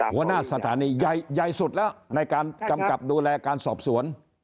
หัวหน้าสถานีใหญ่สุดแล้วในการกำกับดูแลการสอบสวน